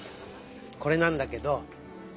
これなんだけど。